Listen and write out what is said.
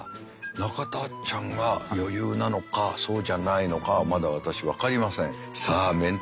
中田あっちゃんが余裕なのかそうじゃないのかはまだ私分かりません。